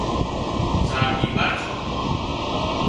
زار بيمار ڇو